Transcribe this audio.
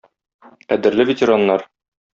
Кадерле ветераннар!